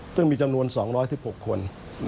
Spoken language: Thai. ซึ่งมีจำนวน๒๑๖คน